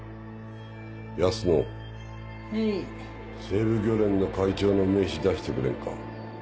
西部漁連の会長の名刺出してくれんか。